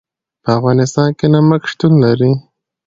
په افغانستان کې نمک شتون لري.